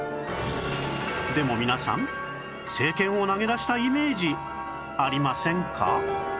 でも皆さん政権を投げ出したイメージありませんか？